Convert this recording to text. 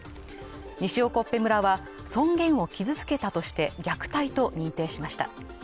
西興部村は尊厳を傷つけたとして虐待と認定しました